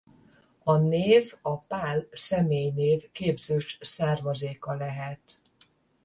A név a Pál személynév képzős származéka lehet.